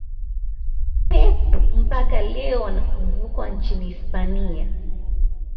pep mpaka leo anakumbukwa nchini hispania